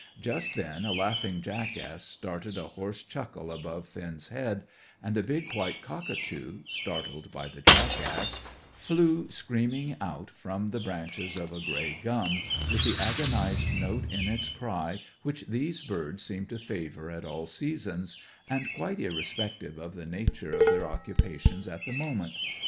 Just then a laughing jackass started a hoarse chuckle above Finn's head, and a big white cockatoo, startled by the jackass, flew screaming out from the branches of a grey gum, with the agonized note in its cry which these birds seem to favour at all seasons, and quite irrespective of the nature of their occupations at the moment.